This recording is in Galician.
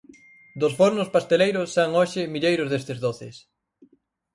Dos fornos pasteleiros saen hoxe milleiros destes doces.